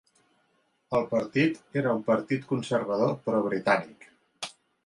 El partit era un partit conservador pro-britànic.